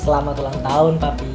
selamat ulang tahun papi